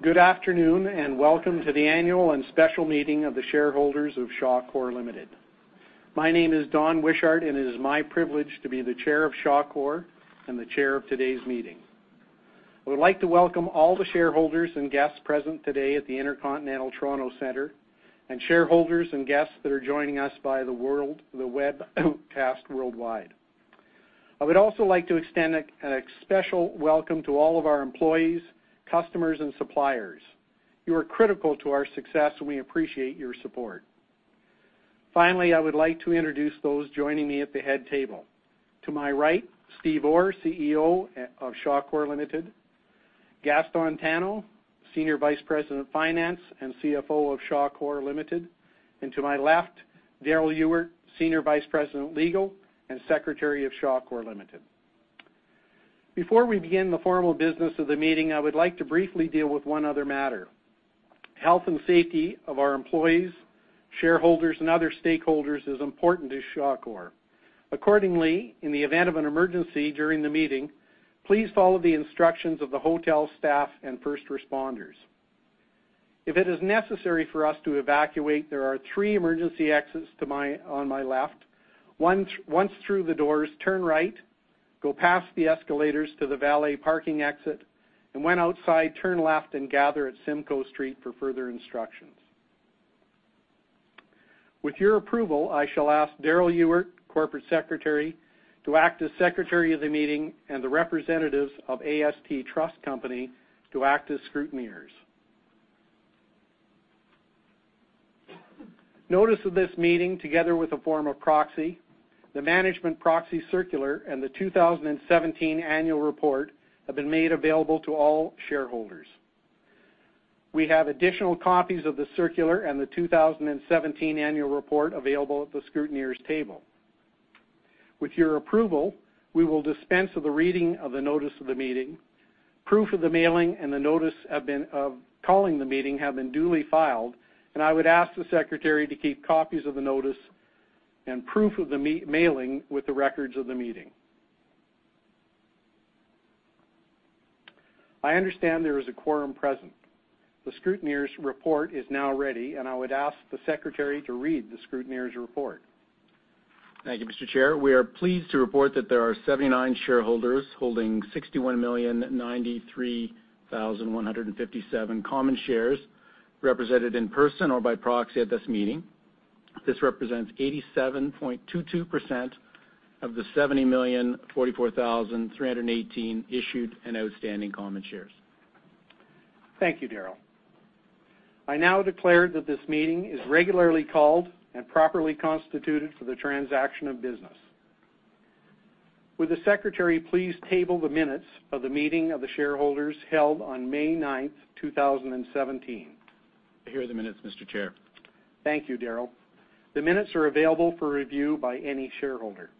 Good afternoon, and welcome to the annual and special meeting of the shareholders of Shawcor Limited. My name is Don Wishart, and it is my privilege to be the Chair of Shawcor and the chair of today's meeting. I would like to welcome all the shareholders and guests present today at the InterContinental Toronto Centre, and shareholders and guests that are joining us by the webcast worldwide. I would also like to extend a special welcome to all of our employees, customers, and suppliers. You are critical to our success, and we appreciate your support. Finally, I would like to introduce those joining me at the head table. To my right, Steve Orr, CEO of Shawcor Limited. Gaston Tano, Senior Vice President of Finance and CFO of Shawcor Limited. To my left, Darrell Ewert, Senior Vice President, Legal, and Secretary of Shawcor Limited. Before we begin the formal business of the meeting, I would like to briefly deal with one other matter. Health and safety of our employees, shareholders, and other stakeholders is important to Shawcor. Accordingly, in the event of an emergency during the meeting, please follow the instructions of the hotel staff and first responders. If it is necessary for us to evacuate, there are three emergency exits on my left. Once through the doors, turn right, go past the escalators to the valet parking exit, and when outside, turn left and gather at Simcoe Street for further instructions. With your approval, I shall ask Darrell Ewert, Corporate Secretary, to act as Secretary of the meeting and the representatives of AST Trust Company to act as scrutineers. Notice of this meeting, together with a form of proxy, the management proxy circular, and the 2017 annual report have been made available to all shareholders. We have additional copies of the circular and the 2017 annual report available at the scrutineers' table. With your approval, we will dispense of the reading of the notice of the meeting. Proof of the mailing and the notice of calling the meeting have been duly filed, and I would ask the secretary to keep copies of the notice and proof of the mailing with the records of the meeting. I understand there is a quorum present. The scrutineer's report is now ready, and I would ask the secretary to read the scrutineer's report. Thank you, Mr. Chair. We are pleased to report that there are 79 shareholders holding 61,093,157 common shares represented in person or by proxy at this meeting. This represents 87.22% of the 70,044,318 issued and outstanding common shares. Thank you, Darrell. I now declare that this meeting is regularly called and properly constituted for the transaction of business. Would the secretary please table the minutes of the meeting of the shareholders held on May 9th, 2017? Here are the minutes, Mr. Chair. Thank you, Darrell. The minutes are available for review by any shareholder.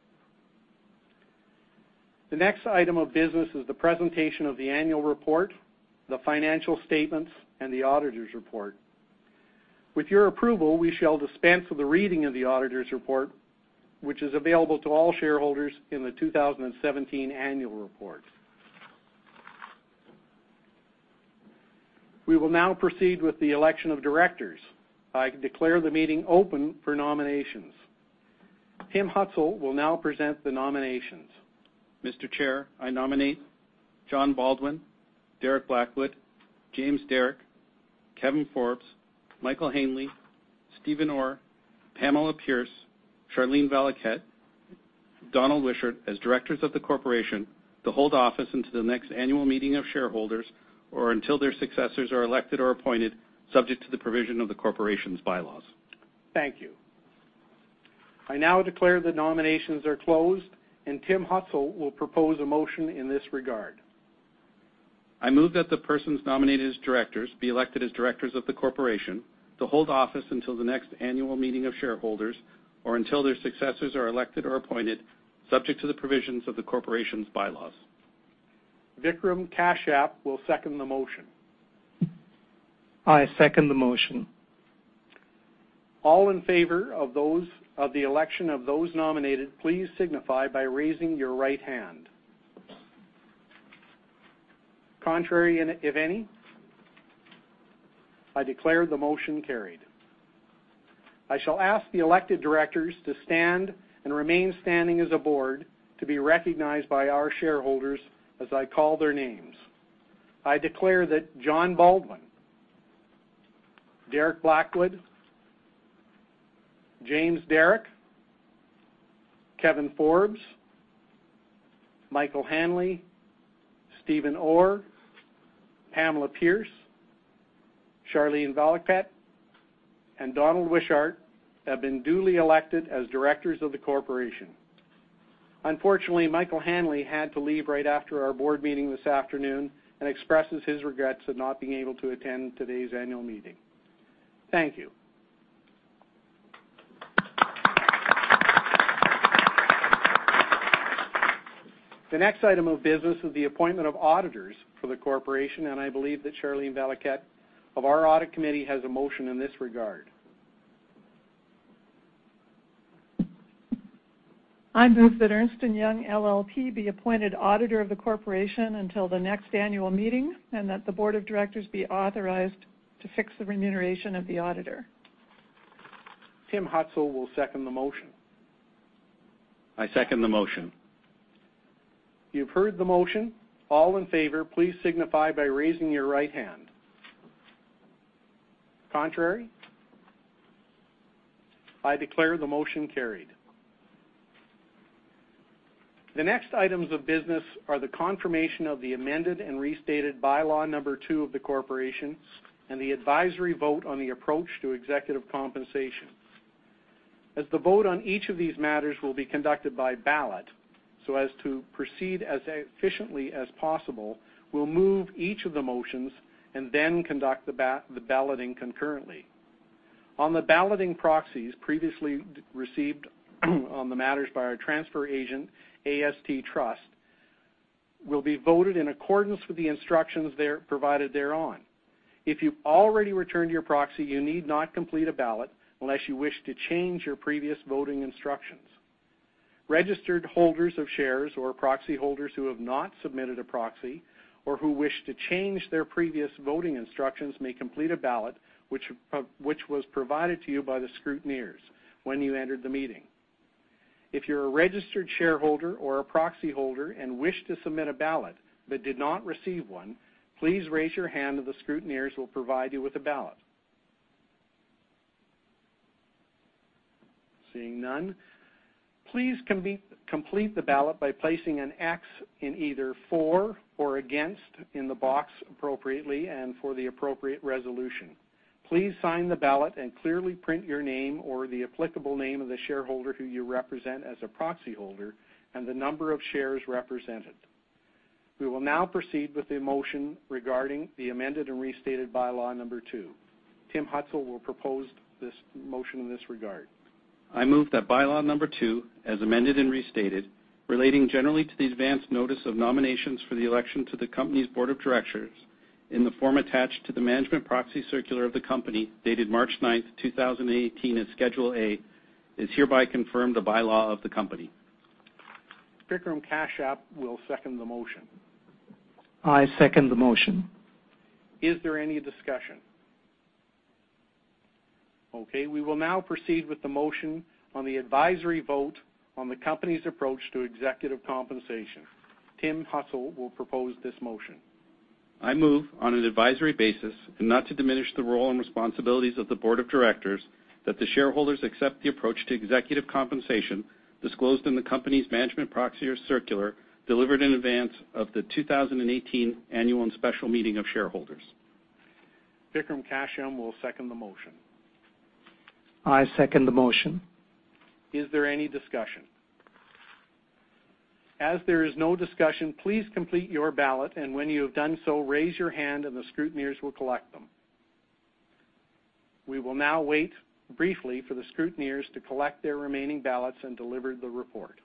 The next item of business is the presentation of the annual report, the financial statements, and the auditor's report. With your approval, we shall dispense of the reading of the auditor's report, which is available to all shareholders in the 2017 annual report. We will now proceed with the election of directors. I declare the meeting open for nominations. Tim Hutzul will now present the nominations. Mr. Chair, I nominate John Baldwin, Derek Blackwood, James Derrick, Kevin Forbes, Michael Hanley, Steven Orr, Pamela Pierce, Charlene Valiquette, Donald Wishart as directors of the corporation to hold office until the next annual meeting of shareholders or until their successors are elected or appointed, subject to the provision of the corporation's bylaws. Thank you. I now declare the nominations are closed, and Tim Hutzul will propose a motion in this regard. I move that the persons nominated as directors be elected as directors of the corporation to hold office until the next annual meeting of shareholders or until their successors are elected or appointed, subject to the provisions of the corporation's bylaws. Vikram Kashyap will second the motion. I second the motion. All in favor of those of the election of those nominated, please signify by raising your right hand. Contrary, if any? I declare the motion carried. I shall ask the elected directors to stand and remain standing as a board to be recognized by our shareholders as I call their names. I declare that John Baldwin, Derek Blackwood, James Derrick, Kevin Forbes, Michael Hanley, Steven Orr, Pamela Pierce, Charlene Valiquette, and Donald Wishart have been duly elected as directors of the corporation. Unfortunately, Michael Hanley had to leave right after our board meeting this afternoon and expresses his regrets of not being able to attend today's annual meeting. Thank you. The next item of business is the appointment of auditors for the corporation, and I believe that Charlene Valiquette of our audit committee has a motion in this regard.... I move that Ernst & Young LLP be appointed auditor of the corporation until the next annual meeting, and that the board of directors be authorized to fix the remuneration of the auditor. Tim Hutzul will second the motion. I second the motion. You've heard the motion. All in favor, please signify by raising your right hand. Contrary? I declare the motion carried. The next items of business are the confirmation of the amended and restated By-Law No. 2 of the corporation, and the advisory vote on the approach to executive compensation. As the vote on each of these matters will be conducted by ballot, so as to proceed as efficiently as possible, we'll move each of the motions and then conduct the balloting concurrently. On the balloting proxies previously received, on the matters by our transfer agent, AST Trust, will be voted in accordance with the instructions there, provided thereon. If you've already returned your proxy, you need not complete a ballot unless you wish to change your previous voting instructions. Registered holders of shares or proxy holders who have not submitted a proxy or who wish to change their previous voting instructions may complete a ballot, which was provided to you by the scrutineers when you entered the meeting. If you're a registered shareholder or a proxy holder and wish to submit a ballot but did not receive one, please raise your hand, and the scrutineers will provide you with a ballot. Seeing none. Please complete the ballot by placing an X in either For or Against in the box appropriately and for the appropriate resolution. Please sign the ballot and clearly print your name or the applicable name of the shareholder who you represent as a proxy holder and the number of shares represented. We will now proceed with the motion regarding the amended and restated By-Law No. 2. Tim Hutzul will propose this motion in this regard. I move that By-Law No. 2, as amended and restated, relating generally to the advance notice of nominations for the election to the company's board of directors in the form attached to the management proxy circular of the company, dated March 9, 2018, as Schedule A, is hereby confirmed a bylaw of the company. Vikram Kashyap will second the motion. I second the motion. Is there any discussion? Okay, we will now proceed with the motion on the advisory vote on the company's approach to executive compensation. Tim Hutzul will propose this motion. I move on an advisory basis, and not to diminish the role and responsibilities of the board of directors, that the shareholders accept the approach to executive compensation disclosed in the company's management proxy circular, delivered in advance of the 2018 annual and special meeting of shareholders. Vikram Kashyap will second the motion. I second the motion. Is there any discussion? As there is no discussion, please complete your ballot, and when you have done so, raise your hand and the scrutineers will collect them. We will now wait briefly for the scrutineers to collect their remaining ballots and deliver the report.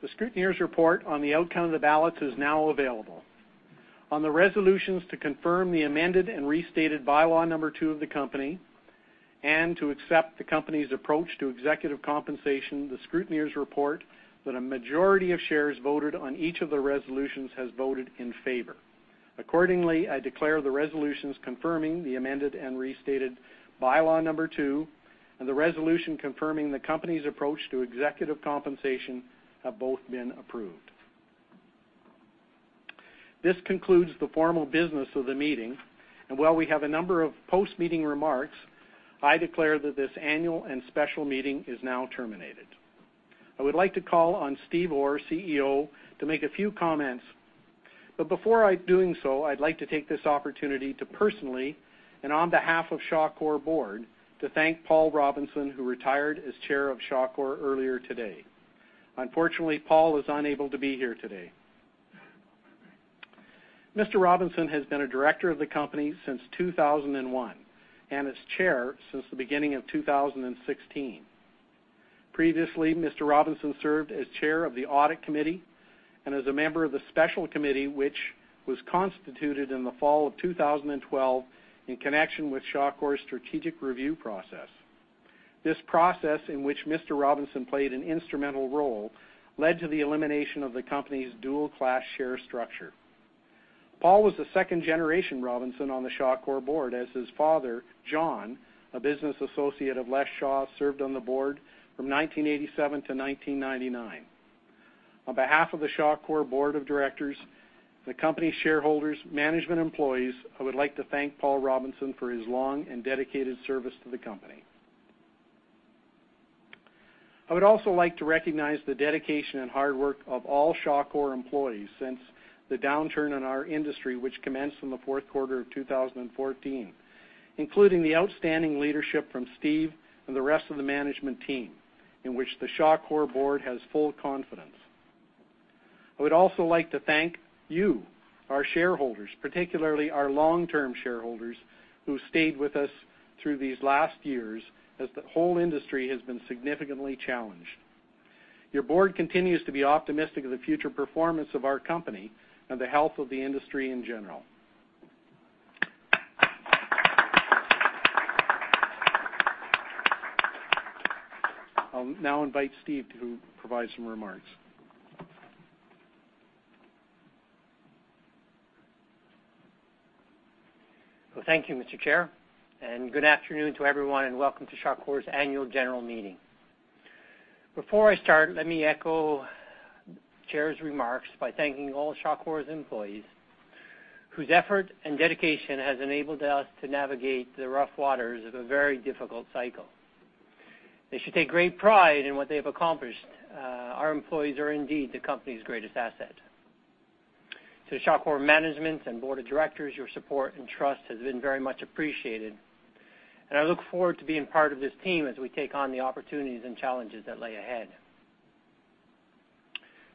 ...The scrutineer's report on the outcome of the ballots is now available. On the resolutions to confirm the amended and restated By-Law No. 2 of the company, and to accept the company's approach to executive compensation, the scrutineer's report that a majority of shares voted on each of the resolutions has voted in favor. Accordingly, I declare the resolutions confirming the amended and restated By-Law No. 2, and the resolution confirming the company's approach to executive compensation have both been approved. This concludes the formal business of the meeting, and while we have a number of post-meeting remarks, I declare that this annual and special meeting is now terminated. I would like to call on Steve Orr, CEO, to make a few comments. But before doing so, I'd like to take this opportunity to personally, and on behalf of Shawcor Board, to thank Paul Robinson, who retired as chair of Shawcor earlier today. Unfortunately, Paul is unable to be here today. Mr. Robinson has been a director of the company since 2001, and its chair since the beginning of 2016. Previously, Mr. Robinson served as chair of the Audit Committee and as a member of the Special Committee, which was constituted in the fall of 2012 in connection with Shawcor's strategic review process. This process, in which Mr. Robinson played an instrumental role, led to the elimination of the company's dual-class share structure. Paul was the second-generation Robinson on the Shawcor board, as his father, John, a business associate of Les Shaw, served on the board from 1987-1999. On behalf of the Shawcor Board of Directors, the company's shareholders, management, and employees, I would like to thank Paul Robinson for his long and dedicated service to the company. I would also like to recognize the dedication and hard work of all Shawcor employees since the downturn in our industry, which commenced in the fourth quarter of 2014, including the outstanding leadership from Steve and the rest of the management team, in which the Shawcor Board has full confidence. I would also like to thank you, our shareholders, particularly our long-term shareholders, who stayed with us through these last years as the whole industry has been significantly challenged. Your board continues to be optimistic of the future performance of our company and the health of the industry in general. I'll now invite Steve to provide some remarks. Well, thank you, Mr. Chair, and good afternoon to everyone, and welcome to Shawcor's Annual General Meeting. Before I start, let me echo Chair's remarks by thanking all Shawcor's employees, whose effort and dedication has enabled us to navigate the rough waters of a very difficult cycle. They should take great pride in what they have accomplished. Our employees are indeed the company's greatest asset. To the Shawcor management and board of directors, your support and trust has been very much appreciated, and I look forward to being part of this team as we take on the opportunities and challenges that lay ahead.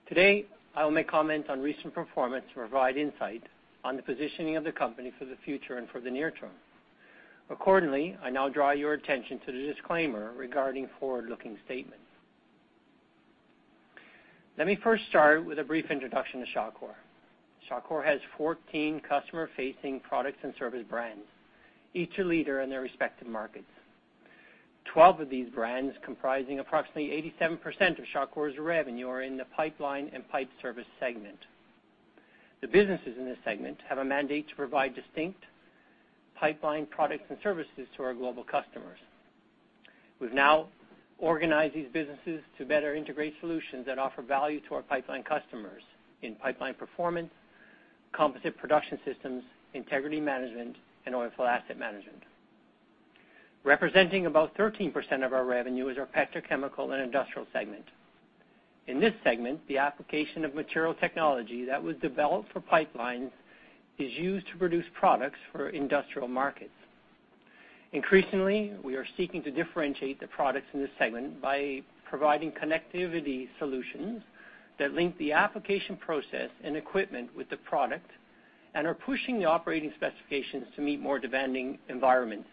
Today, I will make comments on recent performance to provide insight on the positioning of the company for the future and for the near term. Accordingly, I now draw your attention to the disclaimer regarding forward-looking statements. Let me first start with a brief introduction to Shawcor. Shawcor has 14 customer-facing products and service brands, each a leader in their respective markets. 12 of these brands, comprising approximately 87% of Shawcor's revenue, are in the Pipeline and Pipe Services segment. The businesses in this segment have a mandate to provide distinct pipeline products and services to our global customers. We've now organized these businesses to better integrate solutions that offer value to our pipeline customers in Pipeline Performance, Composite Production Systems, Integrity Management, and Oilfield Asset Management. Representing about 13% of our revenue is our Petrochemical and Industrial segment. In this segment, the application of material technology that was developed for pipelines is used to produce products for industrial markets. Increasingly, we are seeking to differentiate the products in this segment by providing connectivity solutions that link the application process and equipment with the product and are pushing the operating specifications to meet more demanding environments,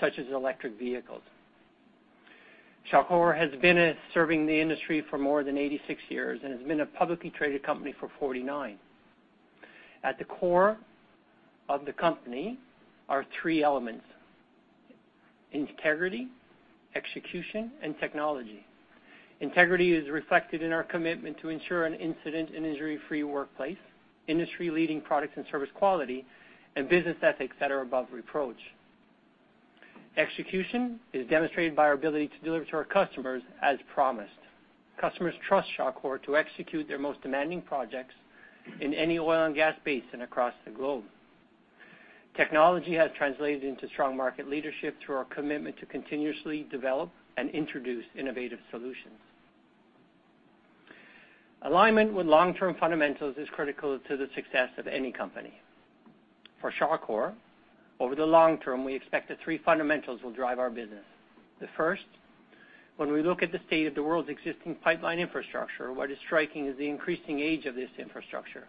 such as electric vehicles. Shawcor has been serving the industry for more than 86 years and has been a publicly traded company for 49. At the core of the company are three elements: integrity, execution, and technology. Integrity is reflected in our commitment to ensure an incident and injury-free workplace, industry-leading products and service quality, and business ethics that are above reproach. Execution is demonstrated by our ability to deliver to our customers as promised. Customers trust Shawcor to execute their most demanding projects in any oil and gas basin across the globe. Technology has translated into strong market leadership through our commitment to continuously develop and introduce innovative solutions. Alignment with long-term fundamentals is critical to the success of any company. For Shawcor, over the long term, we expect that three fundamentals will drive our business. The first, when we look at the state of the world's existing pipeline infrastructure, what is striking is the increasing age of this infrastructure,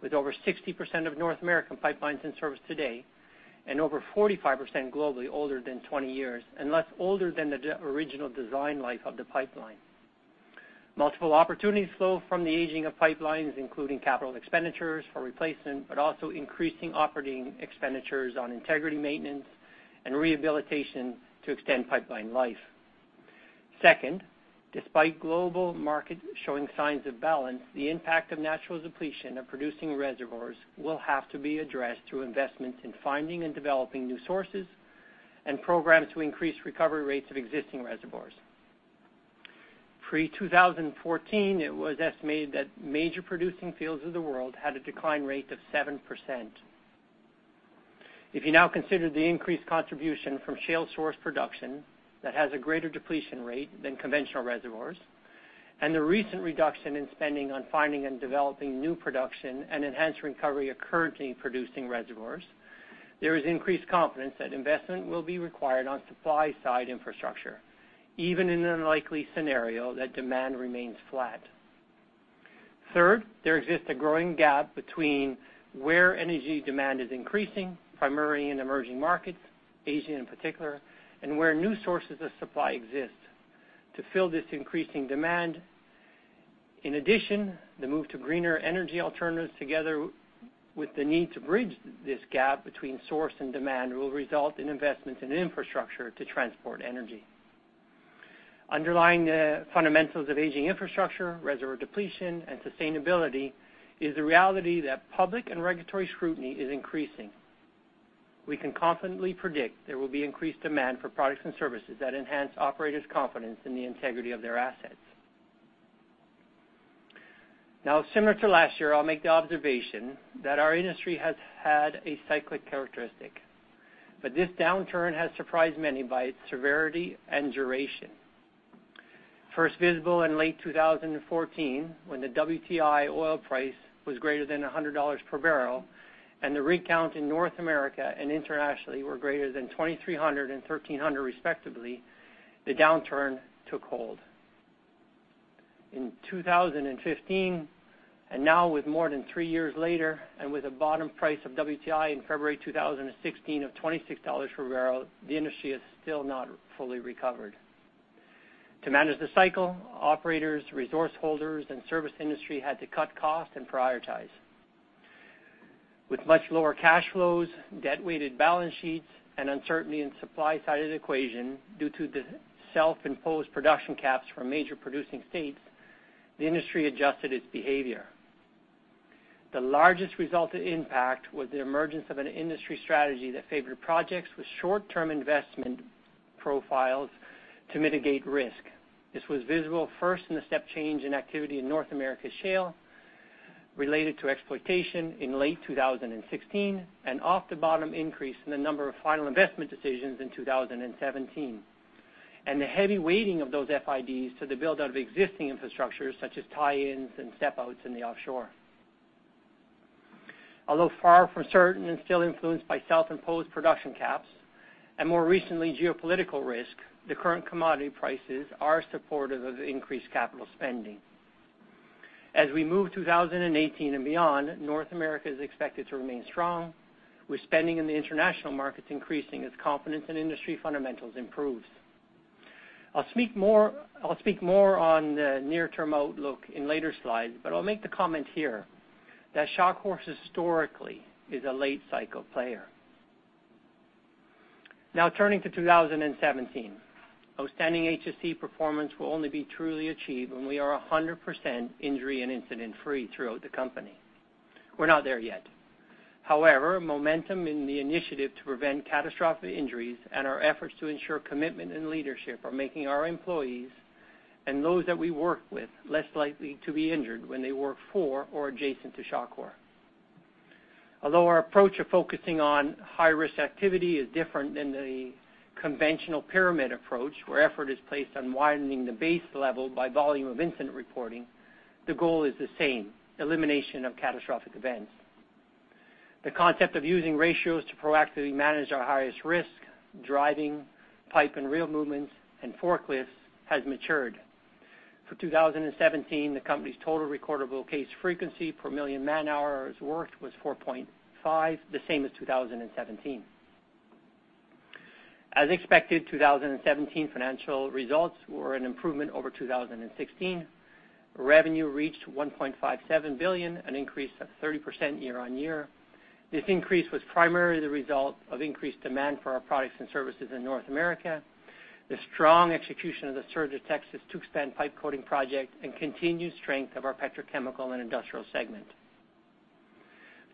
with over 60% of North American pipelines in service today and over 45% globally older than 20 years, and now older than the original design life of the pipeline. Multiple opportunities flow from the aging of pipelines, including capital expenditures for replacement, but also increasing operating expenditures on integrity, maintenance, and rehabilitation to extend pipeline life. Second, despite global markets showing signs of balance, the impact of natural depletion of producing reservoirs will have to be addressed through investments in finding and developing new sources and programs to increase recovery rates of existing reservoirs. Pre-2014, it was estimated that major producing fields of the world had a decline rate of 7%. If you now consider the increased contribution from shale source production that has a greater depletion rate than conventional reservoirs, and the recent reduction in spending on finding and developing new production and enhanced recovery of currently producing reservoirs, there is increased confidence that investment will be required on supply-side infrastructure, even in an unlikely scenario that demand remains flat. Third, there exists a growing gap between where energy demand is increasing, primarily in emerging markets, Asia in particular, and where new sources of supply exist to fill this increasing demand. In addition, the move to greener energy alternatives, together with the need to bridge this gap between source and demand, will result in investments in infrastructure to transport energy. Underlying the fundamentals of aging infrastructure, reservoir depletion, and sustainability is the reality that public and regulatory scrutiny is increasing. We can confidently predict there will be increased demand for products and services that enhance operators' confidence in the integrity of their assets. Now, similar to last year, I'll make the observation that our industry has had a cyclic characteristic, but this downturn has surprised many by its severity and duration. First visible in late 2014, when the WTI oil price was greater than $100 per barrel, and the rig count in North America and internationally were greater than 2,300 and 1,300, respectively, the downturn took hold. In 2015, and now with more than three years later, and with a bottom price of WTI in February 2016 of $26 per barrel, the industry is still not fully recovered. To manage the cycle, operators, resource holders, and service industry had to cut costs and prioritize. With much lower cash flows, debt-weighted balance sheets, and uncertainty in supply-side equation due to the self-imposed production caps from major producing states, the industry adjusted its behavior. The largest resulting impact was the emergence of an industry strategy that favored projects with short-term investment profiles to mitigate risk. This was visible first in the step change in activity in North America shale, related to exploitation in late 2016, and off the bottom increase in the number of final investment decisions in 2017, and the heavy weighting of those FIDs to the build-out of existing infrastructures, such as tie-ins and step-outs in the offshore. Although far from certain and still influenced by self-imposed production caps and, more recently, geopolitical risk, the current commodity prices are supportive of increased capital spending. As we move to 2018 and beyond, North America is expected to remain strong, with spending in the international markets increasing as confidence in industry fundamentals improves. I'll speak more, I'll speak more on the near-term outlook in later slides, but I'll make the comment here that Shawcor historically is a late-cycle player. Now, turning to 2017. Outstanding HSE performance will only be truly achieved when we are 100% injury and incident-free throughout the company. We're not there yet. However, momentum in the initiative to prevent catastrophic injuries and our efforts to ensure commitment and leadership are making our employees and those that we work with less likely to be injured when they work for or adjacent to Shawcor. Although our approach of focusing on high-risk activity is different than the conventional pyramid approach, where effort is placed on widening the base level by volume of incident reporting, the goal is the same: elimination of catastrophic events. The concept of using ratios to proactively manage our highest risk, driving, pipe and reel movements, and forklifts, has matured. For 2017, the company's total recordable case frequency per million man-hours worked was 4.5, the same as 2017. As expected, 2017 financial results were an improvement over 2016. Revenue reached $1.57 billion, an increase of 30% year-over-year. This increase was primarily the result of increased demand for our products and services in North America, the strong execution of the Sur de Texas – Tuxpan pipe coating project, and continued strength of our petrochemical and industrial segment....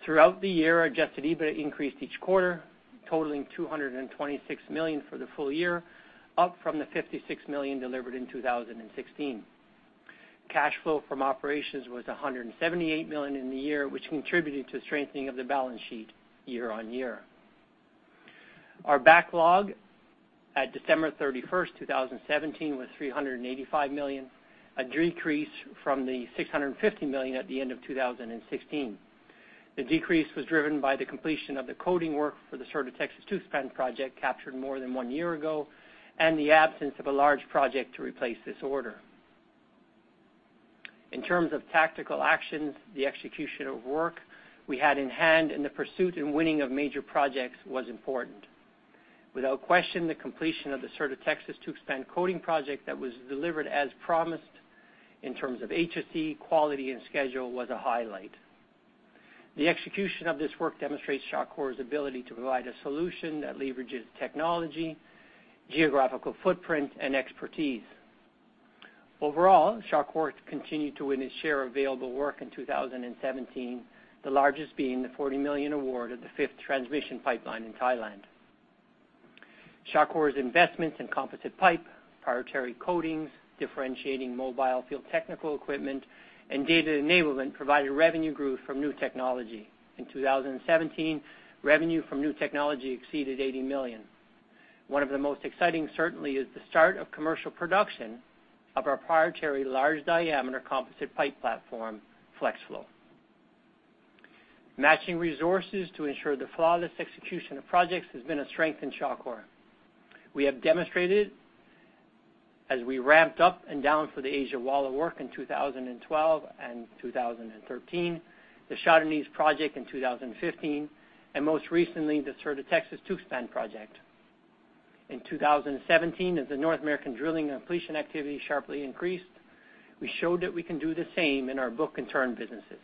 Throughout the year, our adjusted EBITDA increased each quarter, totaling $226 million for the full year, up from the $56 million delivered in 2016. Cash flow from operations was $178 million in the year, which contributed to the strengthening of the balance sheet year-over-year. Our backlog at December 31, 2017, was $385 million, a decrease from the $650 million at the end of 2016. The decrease was driven by the completion of the coating work for the Sur de Texas – Tuxpan project, captured more than one year ago, and the absence of a large project to replace this order. In terms of tactical actions, the execution of work we had in hand and the pursuit and winning of major projects was important. Without question, the completion of the Sur de Texas – Tuxpan coating project that was delivered as promised in terms of HSE, quality, and schedule, was a highlight. The execution of this work demonstrates Shawcor's ability to provide a solution that leverages technology, geographical footprint, and expertise. Overall, Shawcor continued to win its share of available work in 2017, the largest being the $40 million award of the fifth transmission pipeline in Thailand. Shawcor's investments in composite pipe, proprietary coatings, differentiating mobile field technical equipment, and data enablement provided revenue growth from new technology. In 2017, revenue from new technology exceeded $80 million. One of the most exciting, certainly, is the start of commercial production of our proprietary large-diameter composite pipe platform, FlexFlow. Matching resources to ensure the flawless execution of projects has been a strength in Shawcor. We have demonstrated as we ramped up and down for the Australia work in 2012 and 2013, the Shah Deniz project in 2015, and most recently, the Sur de Texas – Tuxpan project. In 2017, as the North American drilling and completion activity sharply increased, we showed that we can do the same in our book and turn businesses.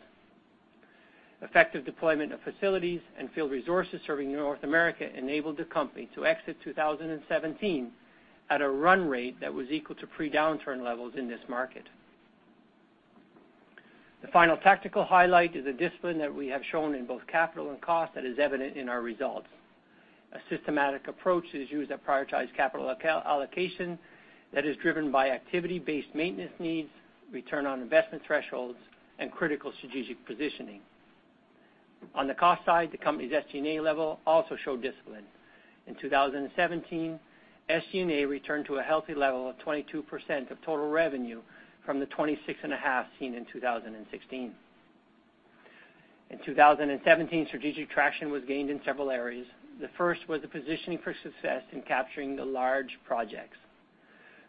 Effective deployment of facilities and field resources serving North America enabled the company to exit 2017 at a run rate that was equal to pre-downturn levels in this market. The final tactical highlight is a discipline that we have shown in both capital and cost that is evident in our results. A systematic approach is used to prioritize capital allocation that is driven by activity-based maintenance needs, return on investment thresholds, and critical strategic positioning. On the cost side, the company's SG&A level also showed discipline. In 2017, SG&A returned to a healthy level of 22% of total revenue from the 26.5% seen in 2016. In 2017, strategic traction was gained in several areas. The first was the positioning for success in capturing the large projects.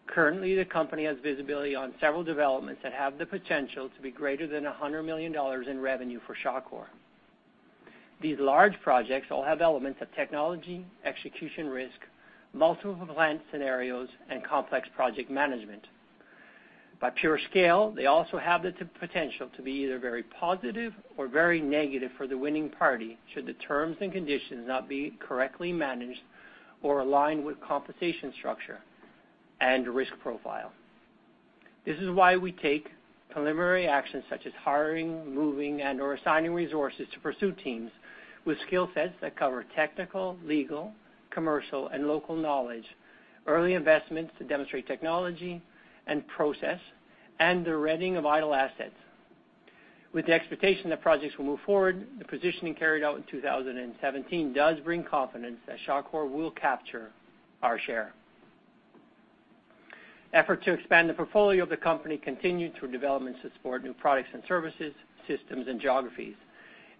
Currently, the company has visibility on several developments that have the potential to be greater than 100 million dollars in revenue for Shawcor. These large projects all have elements of technology, execution risk, multiple plan scenarios, and complex project management. By pure scale, they also have the potential to be either very positive or very negative for the winning party, should the terms and conditions not be correctly managed or aligned with compensation structure and risk profile. This is why we take preliminary actions, such as hiring, moving, and/or assigning resources to pursue teams with skill sets that cover technical, legal, commercial, and local knowledge, early investments to demonstrate technology and process, and the readying of idle assets. With the expectation that projects will move forward, the positioning carried out in 2017 does bring confidence that Shawcor will capture our share. Effort to expand the portfolio of the company continued through developments that support new products and services, systems, and geographies.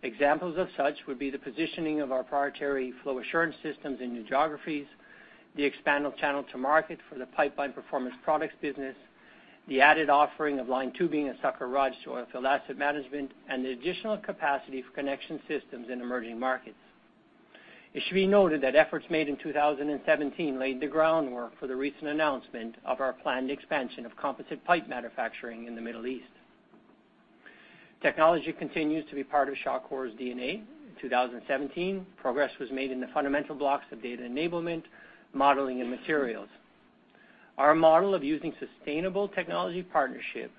Examples of such would be the positioning of our proprietary flow assurance systems in new geographies, the expanded channel to market for the Pipeline Performance products business, the added offering of lined tubing and sucker rods to Oilfield Asset Management, and the additional capacity for connection systems in emerging markets. It should be noted that efforts made in 2017 laid the groundwork for the recent announcement of our planned expansion of composite pipe manufacturing in the Middle East. Technology continues to be part of Shawcor's DNA. In 2017, progress was made in the fundamental blocks of data enablement, modeling, and materials. Our model of using sustainable technology partnership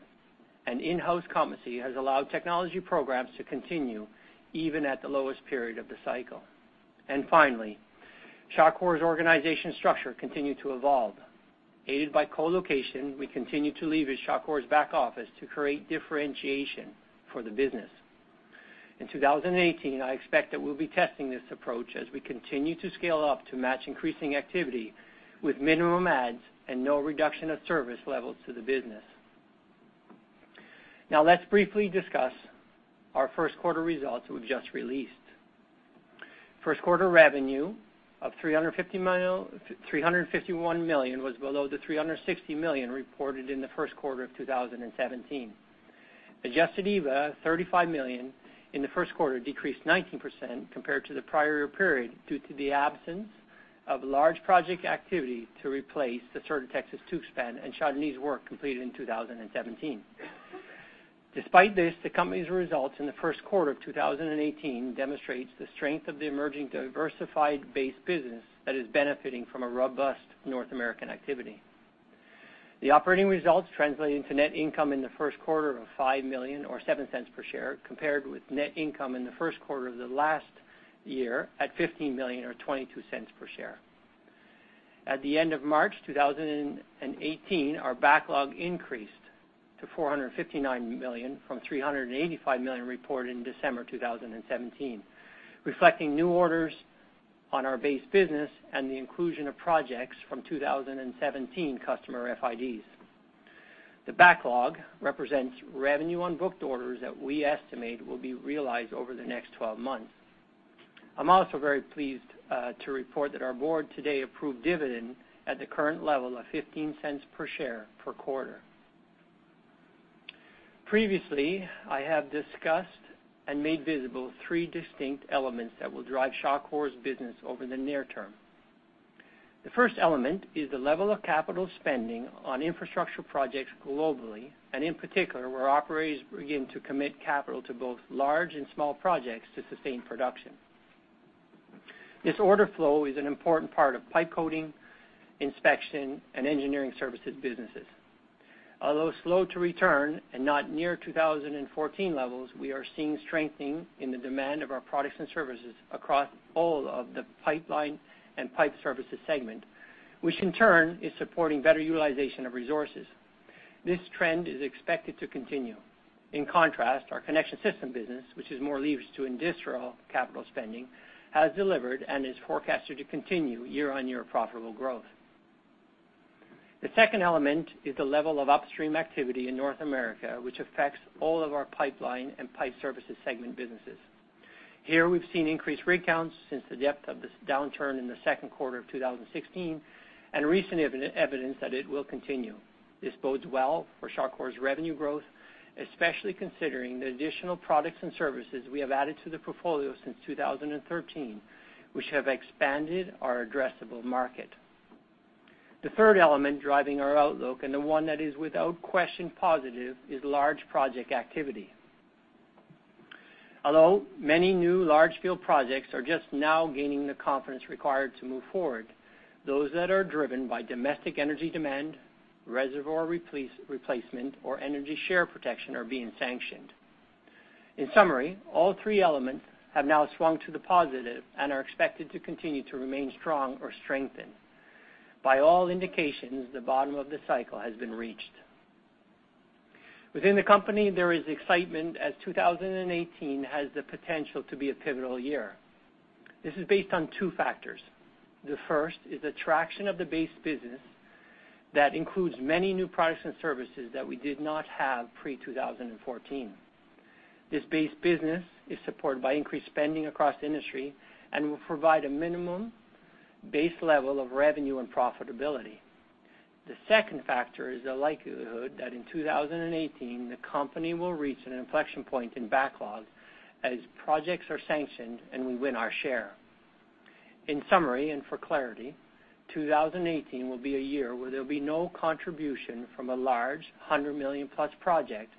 and in-house competency has allowed technology programs to continue even at the lowest period of the cycle. Finally, Shawcor's organization structure continued to evolve. Aided by co-location, we continue to leverage Shawcor's back office to create differentiation for the business. In 2018, I expect that we'll be testing this approach as we continue to scale up to match increasing activity with minimum adds and no reduction of service levels to the business. Now, let's briefly discuss our first quarter results we've just released. First quarter revenue of $351 million was below the $360 million reported in the first quarter of 2017. Adjusted EBITDA of $35 million in the first quarter decreased 19% compared to the prior period, due to the absence of large project activity to replace the Sur de Texas – Tuxpan and Shah Deniz work completed in 2017. Despite this, the company's results in the first quarter of 2018 demonstrates the strength of the emerging diversified base business that is benefiting from a robust North American activity. The operating results translated into net income in the first quarter of $5 million, or $0.07 per share, compared with net income in the first quarter of the last year at $15 million, or $0.22 per share. At the end of March 2018, our backlog increased to $459 million from $385 million reported in December 2017, reflecting new orders on our base business and the inclusion of projects from 2017 customer FIDs. The backlog represents revenue on booked orders that we estimate will be realized over the next 12 months. I'm also very pleased to report that our board today approved dividend at the current level of $0.15 per share per quarter. Previously, I have discussed and made visible three distinct elements that will drive Shawcor's business over the near term. The first element is the level of capital spending on infrastructure projects globally, and in particular, where operators begin to commit capital to both large and small projects to sustain production. This order flow is an important part of pipe coating, inspection, and engineering services businesses. Although slow to return and not near 2014 levels, we are seeing strengthening in the demand of our products and services across all of the pipeline and pipe services segment, which in turn, is supporting better utilization of resources. This trend is expected to continue. In contrast, our connection system business, which is more leveraged to industrial capital spending, has delivered and is forecasted to continue year-on-year profitable growth. The second element is the level of upstream activity in North America, which affects all of our pipeline and pipe services segment businesses. Here, we've seen increased rig counts since the depth of this downturn in the second quarter of 2016, and recent evidence that it will continue. This bodes well for Shawcor's revenue growth, especially considering the additional products and services we have added to the portfolio since 2013, which have expanded our addressable market. The third element driving our outlook, and the one that is, without question, positive, is large project activity. Although many new large field projects are just now gaining the confidence required to move forward, those that are driven by domestic energy demand, reservoir replacement, or energy share protection are being sanctioned. In summary, all three elements have now swung to the positive and are expected to continue to remain strong or strengthen. By all indications, the bottom of the cycle has been reached. Within the company, there is excitement as 2018 has the potential to be a pivotal year. This is based on two factors. The first is the traction of the base business that includes many new products and services that we did not have pre-2014. This base business is supported by increased spending across the industry and will provide a minimum base level of revenue and profitability. The second factor is the likelihood that in 2018, the company will reach an inflection point in backlog as projects are sanctioned and we win our share. In summary, and for clarity, 2018 will be a year where there will be no contribution from a large 100 million-plus project,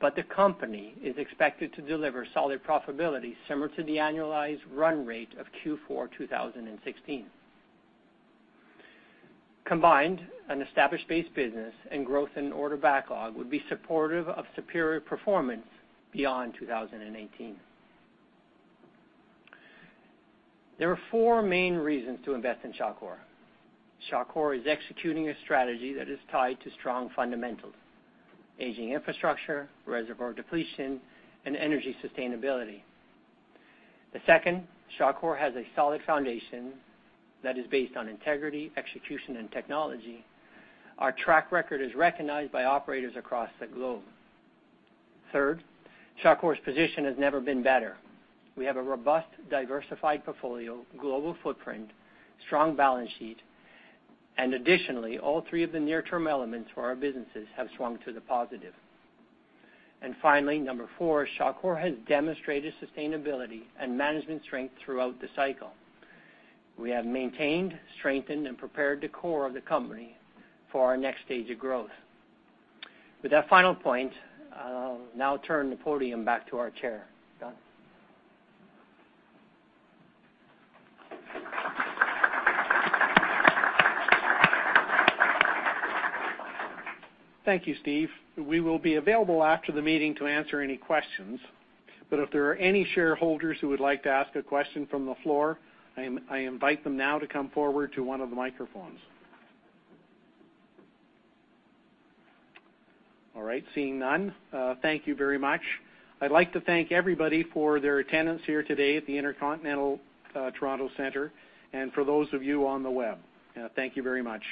but the company is expected to deliver solid profitability similar to the annualized run rate of Q4 2016. Combined, an established base business and growth in order backlog would be supportive of superior performance beyond 2018. There are four main reasons to invest in Shawcor. Shawcor is executing a strategy that is tied to strong fundamentals: aging infrastructure, reservoir depletion, and energy sustainability. The second, Shawcor has a solid foundation that is based on integrity, execution, and technology. Our track record is recognized by operators across the globe. Third, Shawcor's position has never been better. We have a robust, diversified portfolio, global footprint, strong balance sheet, and additionally, all three of the near-term elements for our businesses have swung to the positive. And finally, number four, Shawcor has demonstrated sustainability and management strength throughout the cycle. We have maintained, strengthened, and prepared the core of the company for our next stage of growth. With that final point, I'll now turn the podium back to our chair. Don? Thank you, Steve. We will be available after the meeting to answer any questions, but if there are any shareholders who would like to ask a question from the floor, I invite them now to come forward to one of the microphones. All right, seeing none, thank you very much. I'd like to thank everybody for their attendance here today at the InterContinental Toronto Centre and for those of you on the web. Thank you very much.